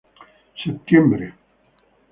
Septiembre: Ntra.